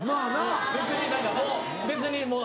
別に何かもう別にもう。